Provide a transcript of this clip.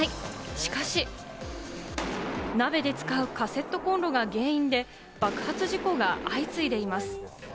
しかし、鍋で使うカセットコンロが原因で爆発事故が相次いでいます。